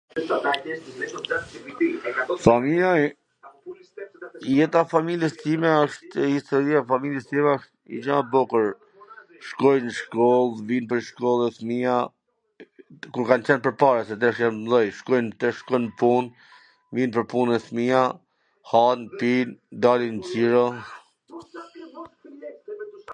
samira ... Jeta e familjes time asht, istoria e familjes time asht gja e bukur. Shkojn nw shkoll, vijn prej shkolle fmija, kur kan qwn pwrpara se tash jan t mwdhenj, shkojn ... tash shkojn n pun, vijn prej pune fmija, han, pin, dalin xhiro...